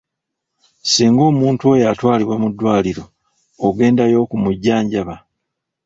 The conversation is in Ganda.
Singa omuntu oyo atwalibwa mu ddwaliro ogendayo okumujjanjaba?